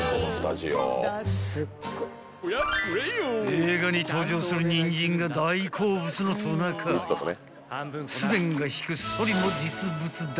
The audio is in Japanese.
［映画に登場するニンジンが大好物のトナカイスヴェンが引くそりも実物大］